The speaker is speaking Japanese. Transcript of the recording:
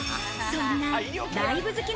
そんなライブ好き